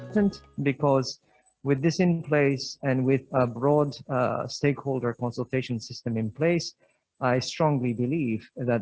karena dengan ini di tempat dan dengan sistem konsultasi penerbangan yang luar biasa di tempat